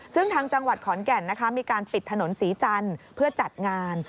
ซึ่งทางจังหวัดขอนแก่นนะคะมีการปิดถนนศรีจันทร์เพื่อจัดงาน